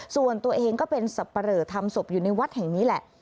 ส่วนตัวเองก็เป็นสับปะเหลอทำศพอยู่ในวัดแห่งนี้แหละ